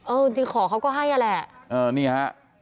เออจริงขอเขาก็ให้อ่ะแหละ